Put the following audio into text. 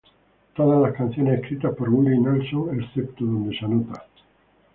Todas las canciones escritas por Willie Nelson excepto donde se anota.